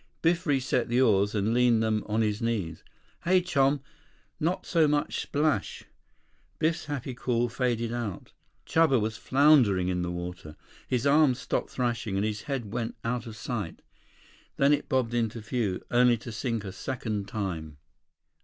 Biff reset the oars and leaned them on his knees. "Hey, chum, not so much splash—" Biff's happy call faded out. Chuba was floundering in the water. His arms stopped thrashing and his head went out of sight. Then it bobbed into view, only to sink a second time.